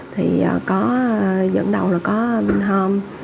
thì dẫn đầu là có hom